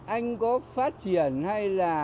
anh có phát triển hay là